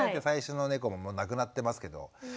最初の猫もう亡くなってますけど。